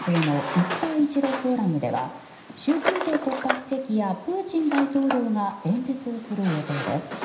一帯一路フォーラムでは習近平国家主席やプーチン大統領が演説をする予定です。